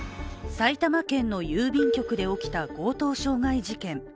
埼玉県の郵便局で起きた強盗傷害事件。